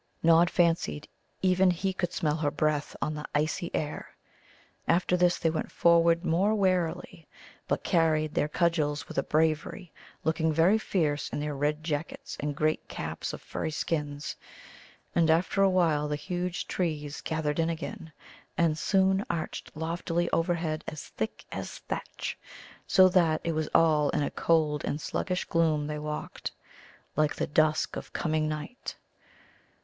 Nod fancied, even, he could smell her breath on the icy air. After this they went forward more warily, but carried their cudgels with a bravery, looking very fierce in their red jackets and great caps of furry skins. And, after a while, the huge trees gathered in again, and soon arched loftily overhead as thick as thatch, so that it was all in a cold and sluggish gloom they walked, like the dusk of coming night.